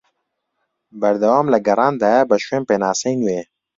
بەردەوام لە گەڕاندایە بە شوێن پێناسەی نوێ